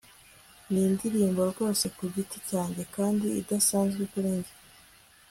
Nindirimbo rwose ku giti cyanjye kandi idasanzwe kuri njye